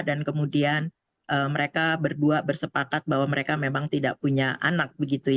dan kemudian mereka berdua bersepakat bahwa mereka memang tidak punya anak